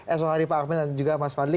esok hari pak akmin dan juga mas fadli